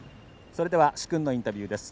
それでは殊勲のインタビューです。